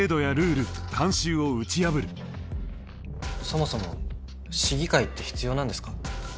そもそも市議会って必要なんですか？